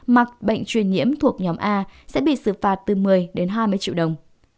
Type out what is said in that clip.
mặc bệnh truyền nhiễm thuộc nhóm a sẽ bị xử phạt từ một mươi đến hai mươi triệu đồng